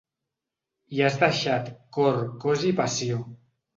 Hi has deixat cor, cos i passió.